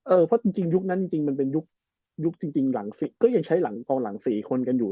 เพราะจริงยุคนั้นจริงมันเป็นยุคจริงหลังก็ยังใช้หลังกองหลัง๔คนกันอยู่